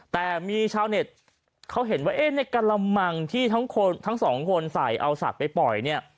แต่มีชาวเน็ตเขาเห็นว่าเอ๊ะในกระมังที่ทั้งสองคนใส่เอาสัตว์ไปปล่อยเนี่ย